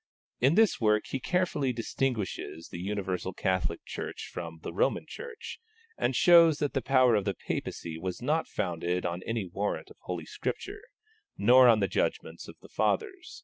In this work he carefully distinguishes the universal Catholic Church from the Roman Church, and shows that the power of the Papacy was not founded on any warrant of Holy Scripture, nor on the judgments of the Fathers.